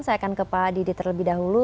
saya akan ke pak didi terlebih dahulu